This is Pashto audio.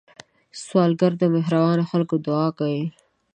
سوالګر د مهربانو خلکو دعا کوي